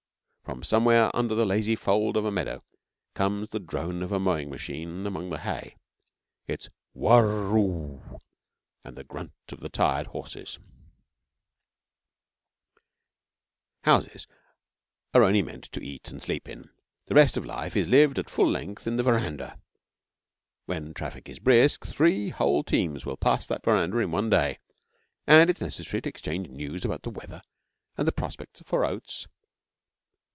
From somewhere under the lazy fold of a meadow comes the drone of a mowing machine among the hay its whurr oo and the grunt of the tired horses. [Footnote 2: See 'In Sight of Monadnock.'] Houses are only meant to eat and sleep in. The rest of life is lived at full length in the verandah. When traffic is brisk three whole teams will pass that verandah in one day, and it is necessary to exchange news about the weather and the prospects for oats.